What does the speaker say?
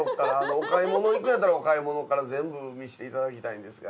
お買物行くんやったらお買物から全部見せていただきたいんですが。